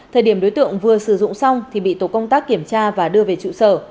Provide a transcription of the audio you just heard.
thời điểm đối tượng vừa sử dụng xong thì bị tổ công tác kiểm tra và đưa về trụ sở